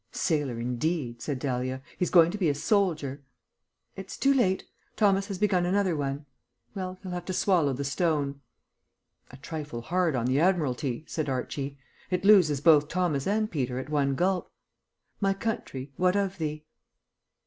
"Sailor indeed," said Dahlia. "He's going to be a soldier." "It's too late. Thomas has begun another one. Well, he'll have to swallow the stone." "A trifle hard on the Admiralty," said Archie. "It loses both Thomas and Peter at one gulp. My country, what of thee?"